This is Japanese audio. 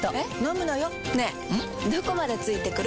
どこまで付いてくる？